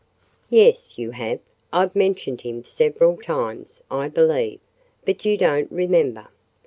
"Yes, you have: I've mentioned him several times, I believe: but you don't remember."